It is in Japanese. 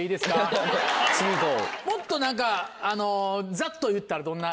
もっと何かあのざっと言ったらどんな。